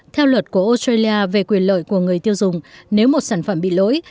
theo luật của australia về quyền lợi của người tiêu dùng nếu một sản phẩm bị lỗi